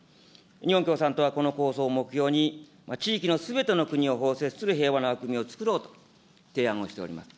日本共産党はこの構想を目標に、地域のすべての国を包摂する平和な枠組みを作ろうと提案をしております。